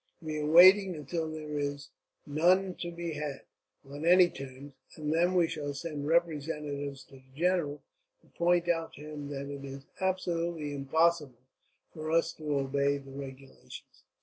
We are waiting until there is none to be had, on any terms; and then we shall send representatives to the general, to point out to him that it is absolutely impossible for us to obey the regulations.